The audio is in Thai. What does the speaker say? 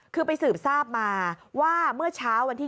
คือไปสืบทราบมาว่าเมื่อเช้าวันที่๒